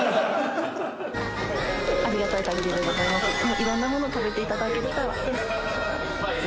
いろんなもの食べていただけると。